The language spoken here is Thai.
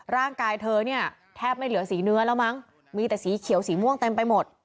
ร่างกายเธอเนี่ยแทบไม่เหลือสีเนื้อแล้วมั้งมีแต่สีเขียวสีม่วงเต็มไปหมด